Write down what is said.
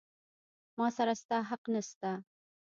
ما سره ستا حق نسته.